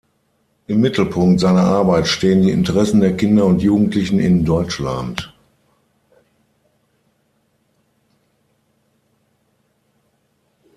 Im Mittelpunkt seiner Arbeit stehen die Interessen der Kinder und Jugendlichen in Deutschland.